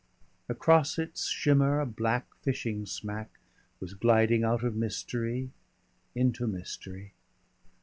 Across its shimmer a black fishing smack was gliding out of mystery into mystery.